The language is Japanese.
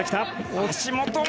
橋本